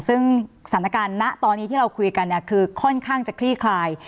ซึ่งสถานการณ์ณตอนนี้ที่เราคุยกันเนี่ยคือค่อนข้างจะคลี่คลาย